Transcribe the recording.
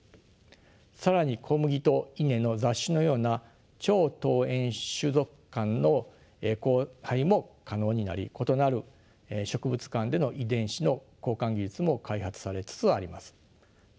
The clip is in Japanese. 更に小麦と稲の雑種のような超遠縁種属間の交配も可能になり異なる植物間での遺伝子の交換技術も開発されつつあります。